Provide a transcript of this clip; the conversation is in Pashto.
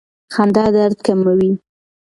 خندا درد کموي.